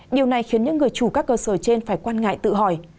điều này khiến những người chủ các cơ sở trên phải quan ngại tự hỏi